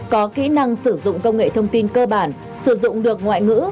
có kỹ năng sử dụng công nghệ thông tin cơ bản sử dụng được ngoại ngữ